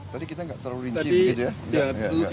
terkait dengan koalisi besar